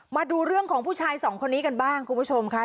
มาดูเรื่องของผู้ชายสองคนนี้กันบ้างคุณผู้ชมค่ะ